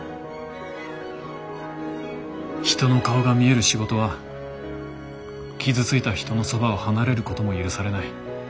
人の顔が見える仕事は傷ついた人のそばを離れることも許されない。